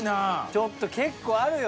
ちょっと結構あるよ。